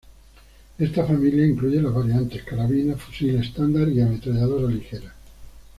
Esta familia incluye las variantes carabina, fusil estándar y ametralladora ligera.